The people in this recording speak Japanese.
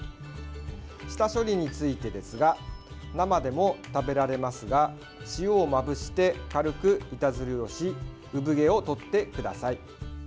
下処理についてですが生でも食べられますが塩をまぶして、軽く板ずりをし産毛を取ってください。